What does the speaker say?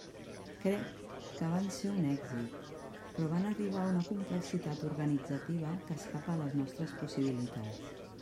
Crec que van ser un èxit, però van arribar a una complexitat organitzativa que escapa a les nostres possibilitats.